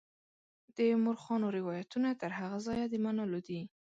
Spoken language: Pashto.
د مورخانو روایتونه تر هغه ځایه د منلو دي.